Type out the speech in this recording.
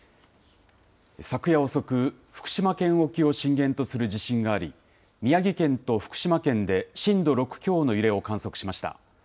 昨夜遅く、福島県沖を震源とする地震があり宮城県と福島県で震度６強の揺れを観測しました。